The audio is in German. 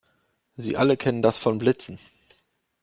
Sie alle kennen das von Blitzen.